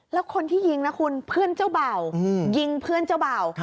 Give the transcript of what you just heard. แล้วคนที่ยิงนะคุณเพื่อนเจ้าเบ่ายิงเพื่อนเจ้าเบ่า